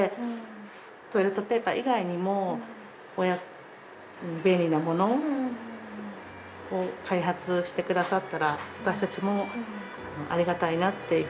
トイレットペーパー以外にも便利なものを開発してくださったら私たちもありがたいなっていうふうに思います。